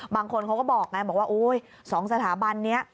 บางคนเขาก็บอกว่า๒สถาบันนี้